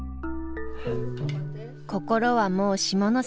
心はもう下関。